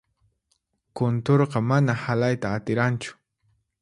Kunturqa mana halayta atiranchu.